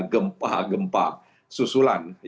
gempa gempa susulan yang dialokasikan